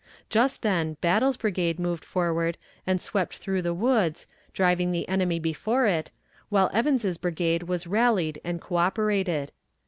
Just then Battle's brigade moved forward and swept through the woods, driving the enemy before it, while Evans's brigade was rallied and coöperated.